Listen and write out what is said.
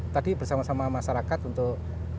tadi bersama sama masyarakat untuk